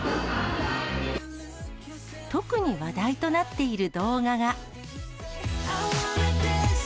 特に話題となっている動画が。